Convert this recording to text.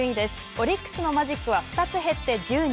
オリックスのマジックは２つ減って１０に。